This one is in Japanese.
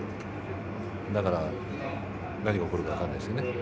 だから何が起こるか分からないですよね。